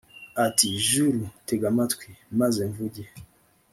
ati «juru, tega amatwi, maze mvuge.